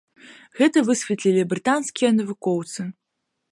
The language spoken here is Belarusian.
Гэта высветлілі брытанскія навукоўцы.